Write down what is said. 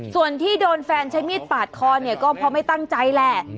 ส่วนที่โดนแฟนใช้มีดปาดคอเนี่ยก็เพราะไม่ตั้งใจแหละ